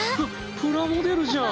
ププラモデルじゃん！